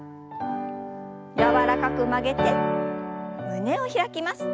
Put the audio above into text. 柔らかく曲げて胸を開きます。